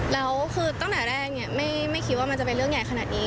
แล้วคือตั้งแต่แรกไม่คิดว่ามันจะเป็นเรื่องใหญ่ขนาดนี้